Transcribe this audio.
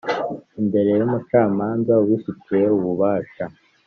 Imbere y umucamanza ubifitiye ububasha